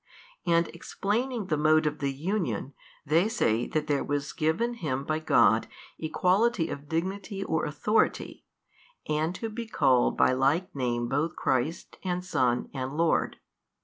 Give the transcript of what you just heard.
And |232 explaining the mode of the union, they say that there was given him by God equality of dignity or authority and to be called by like name both Christ and Son and Lord.